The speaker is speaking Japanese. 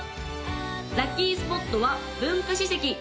・ラッキースポットは文化史跡